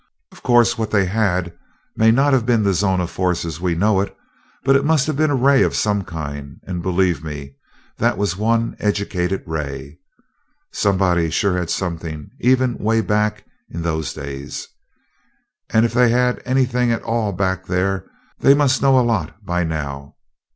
Of course, what they had may not have been the zone of force as we know it, but it must have been a ray of some kind and believe me, that was one educated ray. Somebody sure had something, even 'way back in those days. And if they had anything at all back there, they must know a lot by now.